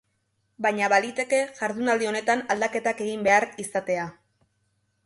Baina baliteke jardunaldi honetan aldaketak egin behar izatea.